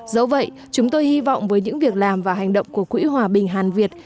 dẫu vậy chúng tôi hy vọng với những việc làm và hành động của quỹ hòa bình hàn việt